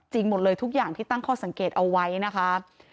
หมดเลยทุกอย่างที่ตั้งข้อสังเกตเอาไว้นะคะ